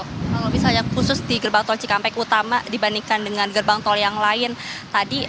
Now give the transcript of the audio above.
kalau misalnya khusus di gerbang tol cikampek utama dibandingkan dengan gerbang tol yang lain tadi